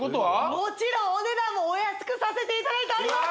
もちろんお値段もお安くさせていただいております